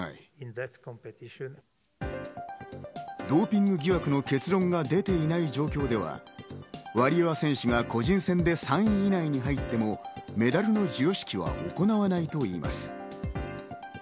ドーピング疑惑の結論が出ていない状況では、ワリエワ選手が個人戦で３位以内に入ってもメダルの授与式は行わないといいます。